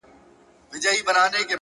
صبر د وخت ژبه درک کوي,